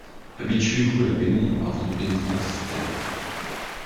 Habituez-vous a la pénombre avant de pénétrer dans ces sous-terrains.